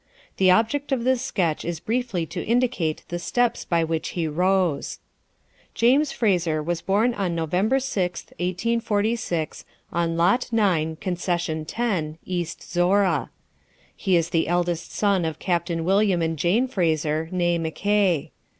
The object of this sketch is briefly to indicate the steps by which he rose. James Fraser was born on November 6th, 1846, on lot 9, concession 10, East Zorra. He is the eldest son of Captain William and Jane Fraser (née Mackay).